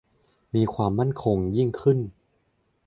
มีความมั่นคงยิ่งขึ้น